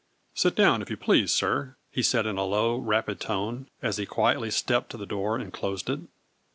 " Sit down, if you please, sir," he said in a low, 162 A FLURRY IN DIAMONDS. rapid tone, as he quietly stepped to the door and closed it.